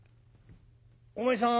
「お前さん